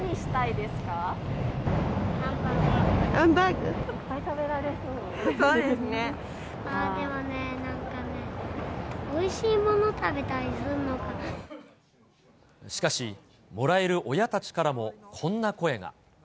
でもね、なんかね、おいしいしかし、もらえる親たちからも、こんな声が。